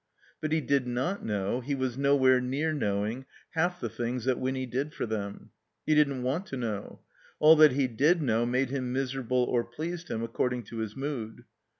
But he did not know, he was nowhere near knowing, half the things that Winny did for them. He didn't want to know. All that he did know made him miserable or pleased him according to his mood.